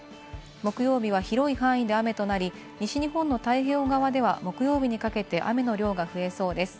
木曜日は広い範囲で雨となり、西日本の太平洋側では木曜日にかけて雨の量が増えそうです。